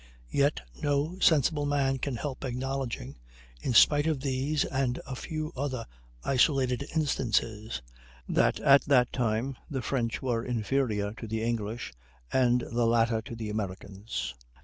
Yet no sensible man can help acknowledging, in spite of these and a few other isolated instances, that at that time the French were inferior to the English, and the latter to the Americans.